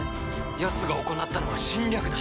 やつが行ったのは侵略だ。